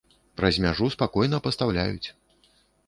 Праз мяжу спакойна пастаўляюць!